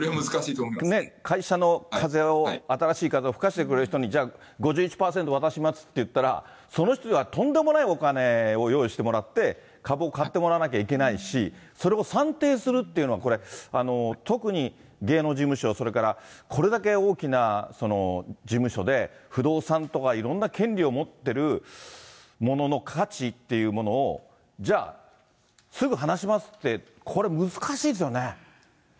会社の風を、新しい風を吹かせてくれる人に、じゃあ、５１％渡しますっていったら、その人ではとんでもないお金を用意してもらって、株を買ってもらわないといけないし、それを算定するというのはこれ、特に芸能事務所、それからこれだけ大きな事務所で不動産とかいろんな権利を持ってるものの価値っていうものを、じゃあ、すぐはなしますって、これ難しいですよね。